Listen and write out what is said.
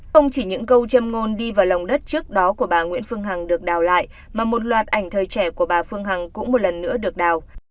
không chỉ những câu châm ngôn đi vào lòng đất trước đó của bà nguyễn phương hằng được đào lại mà một loạt ảnh thời trẻ của bà phương hằng cũng một lần nữa được đào